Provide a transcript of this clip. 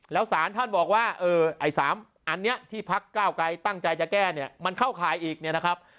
แล้วสารท่านบอกว่าไอ้๓อันนี้ที่พักเก้าไกรตั้งใจจะแก้เนี่ยมันเข้าข่ายอีกเนี่ยนะครับ